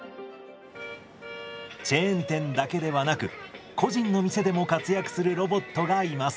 チェーン店だけではなく個人の店でも活躍するロボットがいます。